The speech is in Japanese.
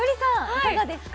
いかがですか？